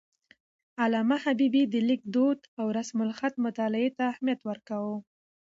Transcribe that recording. علامه حبيبي د لیک دود او رسم الخط مطالعې ته اهمیت ورکاوه.